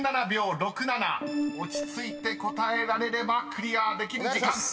［落ち着いて答えられればクリアできる時間］